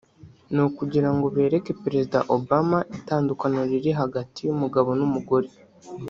ni ukugira ngo bereke Perezida Obama itandukaniro riri hagati y’umugabo n’umugore